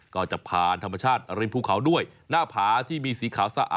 ก็จะผ่านธรรมชาติริมภูเขาด้วยหน้าผาที่มีสีขาวสะอาด